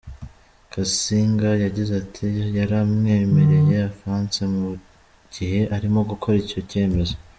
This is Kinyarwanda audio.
Kasinga yagize ati:“Yari yamwemereye ‘avance’ mu gihe arimo gukora icyo cyemezo.